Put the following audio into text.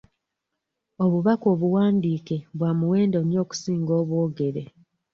Obubaka obuwandiike bwa muwendo nnyo okusinga obwogere.